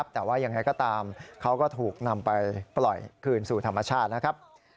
แต่ว่ายังไงก็ตามเขาก็ถูกนำไปปล่อยคืนสู่ธรรมชาตินะครับ